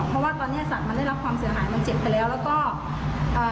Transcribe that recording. เพราะว่าตอนเนี้ยสัตว์มันได้รับความเสียหายมันเจ็บไปแล้วแล้วก็เอ่อ